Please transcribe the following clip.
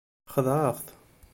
Xedɛeɣ-t.